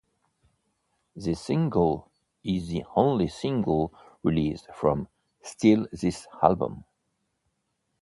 This single is the only single released from Steal This Album!